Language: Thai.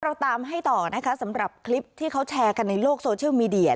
เราตามให้ต่อนะคะสำหรับคลิปที่เขาแชร์กันในโลกโซเชียลมีเดีย